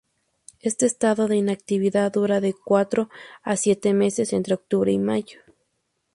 Este estado de inactividad dura de cuatro a siete meses, entre octubre y mayo.